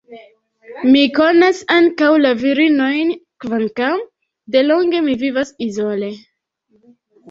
Mi konas ankoraŭ la virinojn, kvankam delonge mi vivas izole.